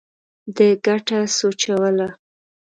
ده ګټه سوچوله.